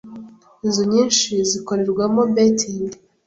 Inzu nyinshi zikorerwamo 'betting'